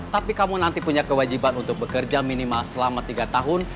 tapi kamu nanti punya kewajiban untuk bekerja minimal selama tiga tahun